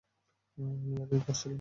আমি ইয়ার্কি করছিলাম।